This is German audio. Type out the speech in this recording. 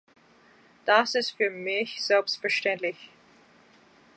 Das ist für mich selbstverständlich.